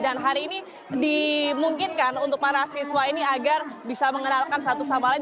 dan hari ini dimungkinkan untuk para siswa ini agar bisa mengenalkan satu sama lain